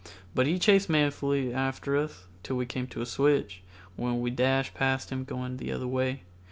But he chased manfully after us till we came to a switch, when we dashed past him going the other way.